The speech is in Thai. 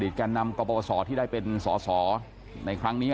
อดีตการนำกระบวะส่อที่ได้เป็นส่อในครั้งนี้